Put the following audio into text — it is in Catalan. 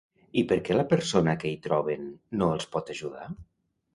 I per què la persona que hi troben no els pot ajudar?